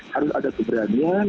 harus ada keberanian